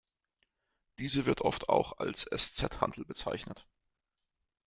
Diese wird oft auch als Sz-Hantel bezeichnet.